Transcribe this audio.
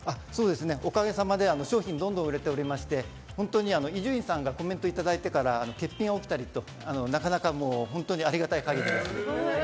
おかげさまで商品どんどん売れておりまして本当に伊集院さんのコメントいただいてから欠品が起きたりとなかなかありがたい限りです。